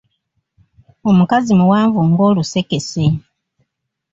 Omukazi muwanvu nga Olusekese.